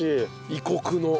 異国の。